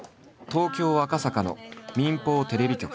東京赤坂の民放テレビ局。